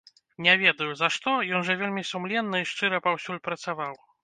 Не ведаю, за што, ён жа вельмі сумленна і шчыра паўсюль працаваў.